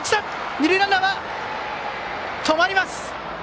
二塁ランナー、止まります。